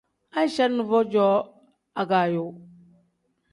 Aicha nuvo cooo agaayo.